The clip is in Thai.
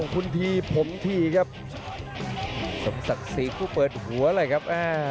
คุณทีผมทีครับสมศักดิ์ศรีคู่เปิดหัวเลยครับ